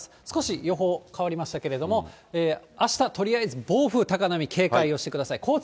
少し予報変わりましたけれども、あした、とりあえず暴風、高波、警戒をしてください。